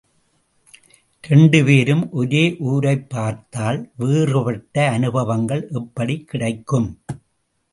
இரண்டுபேரும் ஒரே ஊரைப் பார்த்தால் வேறுபட்ட அனுபவங்கள் எப்படிக் கிடைக்கும்?